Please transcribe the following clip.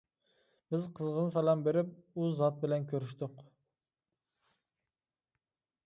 بىز قىزغىن سالام بېرىپ ئۇ زات بىلەن كۆرۈشتۇق.